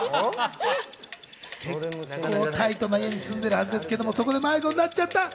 結構タイトな家に住んでるはずですけど、そこで迷子になっちゃった。